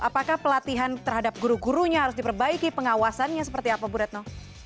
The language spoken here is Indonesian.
apakah pelatihan terhadap guru gurunya harus diperbaiki pengawasannya seperti apa bu retno